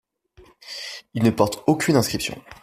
Il ne porte aucune inscriptions.